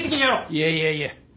いやいやいや。